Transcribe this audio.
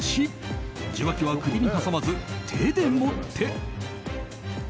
１受話器は首に挟まず手で持って。